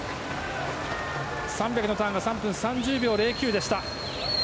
３００のターンが３分３０秒０９でした。